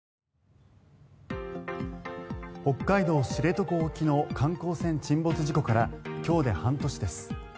北海道・知床沖の観光船沈没事故から今日で半年です。